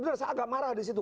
saya agak marah disitu